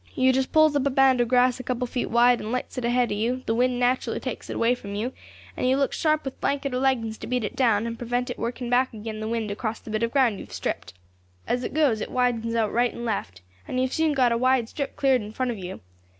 You just pulls up a band of grass a couple of feet wide, and lights it ahead of you; the wind naturally takes it away from you, and you look sharp with blanket or leggings to beat it down, and prevent it working back agin the wind across the bit of ground you have stripped. As it goes it widens out right and left, and you have soon got a wide strip cleared in front of you.